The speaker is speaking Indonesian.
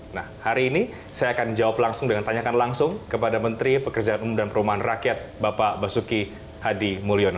nah hari ini saya akan jawab langsung dengan tanyakan langsung kepada menteri pekerjaan umum dan perumahan rakyat bapak basuki hadi mulyono